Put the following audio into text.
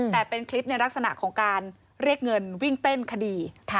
แต่เป็นคลิปในลักษณะของการเรียกเงินวิ่งเต้นคดี